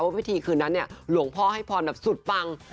วิธีคืนนั้นเนี่ยหลวงพ่อให้พรแบบสุดปัง